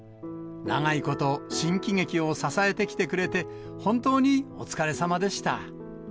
長いこと、新喜劇を支えてきてくれて、本当にお疲れさまでした。